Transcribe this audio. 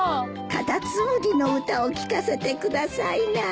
『かたつむり』の歌を聴かせてくださいな。